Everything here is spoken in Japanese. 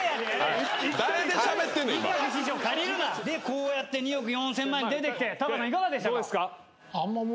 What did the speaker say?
こうやって２億４千万に出てきて貴さんいかがでしたか？